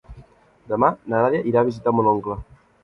Demà na Nàdia irà a visitar mon oncle.